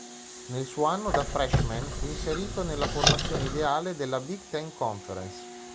Nel suo anno da freshman fu inserito nella formazione ideale della Big Ten Conference.